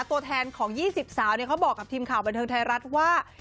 ตัวแทนของ๒๐สาวเขาบอกกับทีมข่าวบันเทิงไทยรัฐว่า